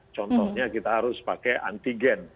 contohnya kita harus pakai antigen